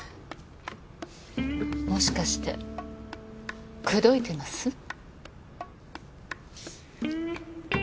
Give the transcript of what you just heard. もしかして口説いてます？